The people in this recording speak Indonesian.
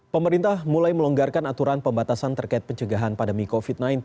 pemerintah mulai melonggarkan aturan pembatasan terkait pencegahan pandemi covid sembilan belas